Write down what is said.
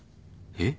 えっ？